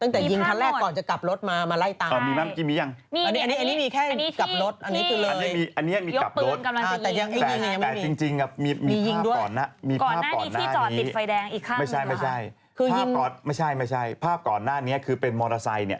ทั้งหมดที่คุณเล่าเนี่ยมีภาพหมดเลย